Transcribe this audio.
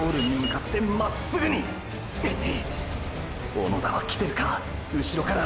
小野田はきてるか⁉うしろから！！